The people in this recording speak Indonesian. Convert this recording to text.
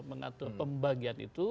mengatur pembagian itu